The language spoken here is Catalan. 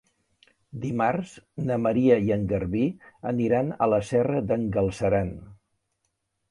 Dimarts na Maria i en Garbí aniran a la Serra d'en Galceran.